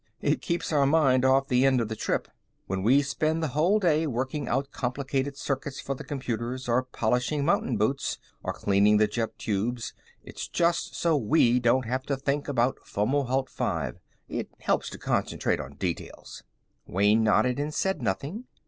"It keeps our mind off the end of the trip. When we spend the whole day working out complicated circuits for the computers, or polishing mountain boots, or cleaning the jet tubes, it's just so we don't have to think about Fomalhaut V. It helps to concentrate on details." Wayne nodded and said nothing.